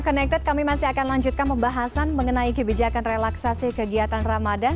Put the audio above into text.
connected kami masih akan lanjutkan pembahasan mengenai kebijakan relaksasi kegiatan ramadan